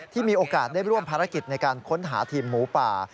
มีโอกาสได้ร่วมภารกิจในการค้นหาทีมหมูป่า